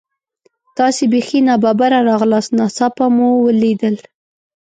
تاسې بیخي نا ببره راغلاست، ناڅاپه مو لیدل.